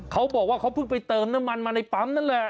เขาบอกว่าเขาเพิ่งไปเติมน้ำมันมาในปั๊มนั่นแหละ